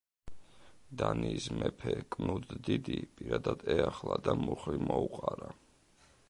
დანიის მეფე კნუდ დიდი პირადად ეახლა და მუხლი მოუყარა.